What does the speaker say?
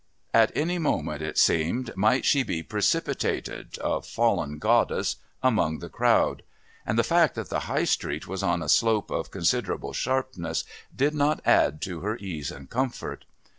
At any moment, it seemed, might she be precipitated, a fallen goddess, among the crowd, and the fact that the High Street was on a slope of considerable sharpness did not add to her ease and comfort.